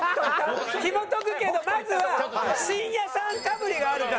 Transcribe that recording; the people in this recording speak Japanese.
ひもとくけどまずは新谷さんかぶりがあるから。